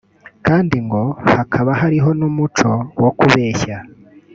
kandi ngo hakaba hariho n’umuco wo kubeshya”